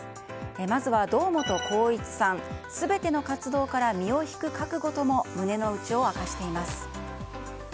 まずは堂本光一さん全ての活動から身を引く覚悟とも胸の内を明かしています。